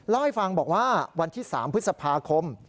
เล่าให้ฟังบอกว่าวันที่๓พฤษภาคม